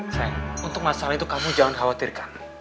sayang untuk masalah itu kamu jangan khawatirkan